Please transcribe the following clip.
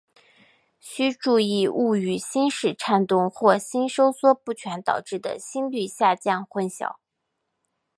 须注意勿与心室颤动或心收缩不全导致的心率下降混淆。